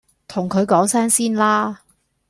同佢講聲先啦！